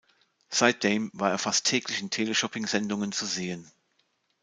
Seitdem war er fast täglich in Teleshopping-Sendungen zu sehen.